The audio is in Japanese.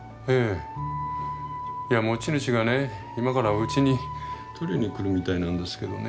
持ち主がね今からうちに取りに来るみたいなんですけどね。